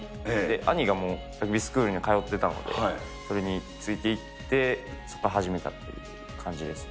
兄がもうラグビースクールに通ってたので、それについていって、そこで始めたという感じですね。